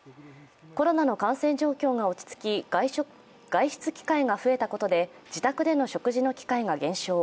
コロナの感染状況が落ち着き外出機会が増えてことで自宅での食事の機会が減少。